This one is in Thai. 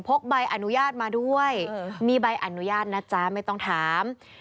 ใบอนุญาตมาด้วยมีใบอนุญาตนะจ๊ะไม่ต้องถาม